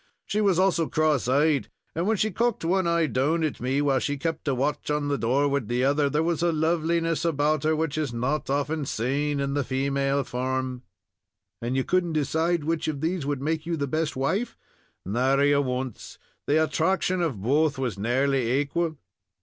She was also cross eyed, and when she cocked one eye down at me, while she kept a watch on the door wid the other, there was a loveliness about her which is not often saan in the famale form." "And you could n't decide which of these would make you the best wife?" "Nary a once. The attraction of both was nearly equal."